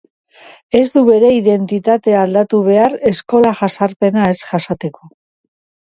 Ez du bere identitatea aldatu behar eskola jazarpena ez jasateko.